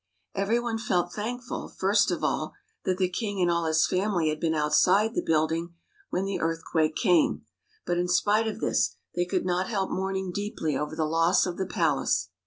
Every one felt thankful, first of all, that the king and all his family had been outside the building when the earthquake came, but in spite of this they could not help mourning deeply over the loss of the palace.